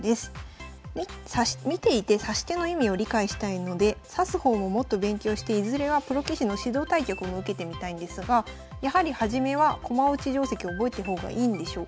「見ていて指し手の意味を理解したいので指す方ももっと勉強していずれはプロ棋士の指導対局も受けてみたいんですがやはり初めは駒落ち定跡を覚えた方がいいんでしょうか？